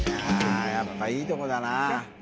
やっぱいいとこだな。